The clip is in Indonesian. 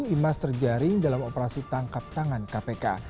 imas terjaring dalam operasi tangkap tangan kpk